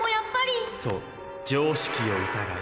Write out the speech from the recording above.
そう「常識を疑え」